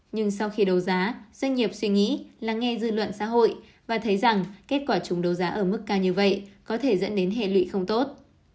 nhưng sau khi đấu giá doanh nghiệp suy nghĩ lắng nghe dư luận xã hội và thấy rằng kết quả chúng đấu giá ở mức cao như vậy có thể dẫn đến hệ lụy không tốt